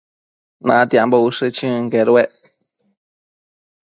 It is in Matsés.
Natiambo ushë chënquedued